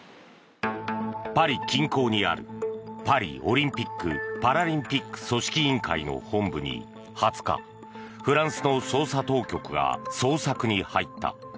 パリ近郊にあるパリオリンピック・パラリンピック組織委員会の本部に２日フランスの捜査当局が捜索に入った。